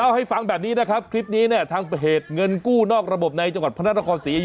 มึงเอาที่ใคร